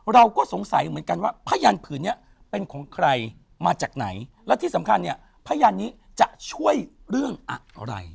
เราก็สงสัยเหมือนกันว่าพยานผืนนี้เป็นของใครมาจากไหนและที่สำคัญเนี่ยพยานนี้จะช่วยเรื่องอะไร